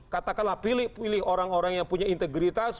katakanlah pilih orang orang yang punya integritas